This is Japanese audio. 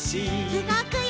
うごくよ！